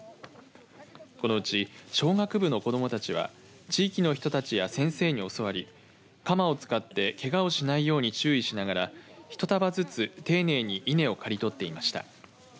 このうち小学部の子どもたちは地域の人たちや先生に教わり鎌を使ってけがをしないよう注意しながら一束ずつ丁寧に稲を刈り取っていました。